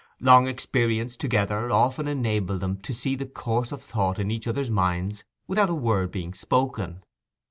Long experience together often enabled them to see the course of thought in each other's minds without a word being spoken.